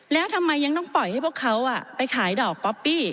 แล้วทำไมยังต้องปล่อยให้พวกเขาไปขายดอกป๊อปปี้